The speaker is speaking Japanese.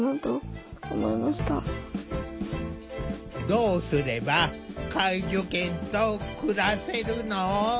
どうすれば介助犬と暮らせるの？